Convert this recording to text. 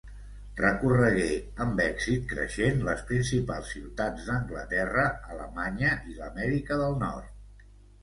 Recorregué amb èxit creixent les principals ciutats d'Anglaterra, Alemanya i l'Amèrica del Nord.